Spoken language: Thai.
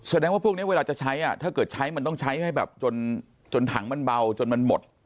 แสดงว่าพวกนี้เวลาจะใช้ถ้าเกิดใช้มันต้องใช้ให้แบบจนถังมันเบาจนมันหมด